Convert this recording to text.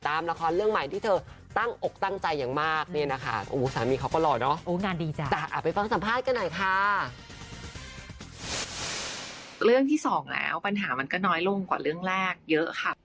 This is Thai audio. เรื่องที่สองแล้วปัญหามันก็น้อยลงกว่าเรื่องแรกเยอะค่ะ